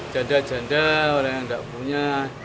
janda janda orang yang tidak punya